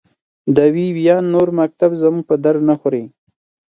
د وي ویان نور مکتوب زموږ په درد نه خوري.